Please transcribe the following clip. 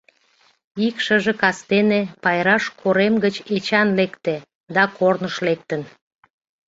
Ик шыже кастене Пайраш корем гыч Эчан лекте да корныш лектын.